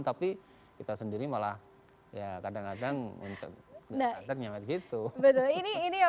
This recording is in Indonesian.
tapi kita sendiri malah ya kadang kadang mencatatnya begitu